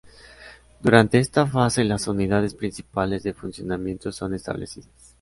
Durante esta fase, las unidades principales de funcionamiento son establecidas.